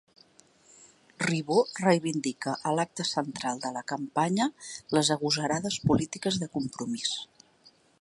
Ribó reivindica a l'acte central de la campanya les agosarades polítiques de Compromís.